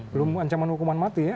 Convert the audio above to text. belum ancaman hukuman mati ya